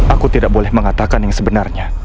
aku tidak boleh mengatakan yang sebenarnya